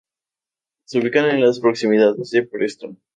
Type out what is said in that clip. Se ubica en las proximidades de Preston.